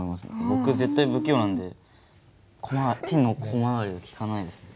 僕絶対不器用なんで手の小回りが利かないです。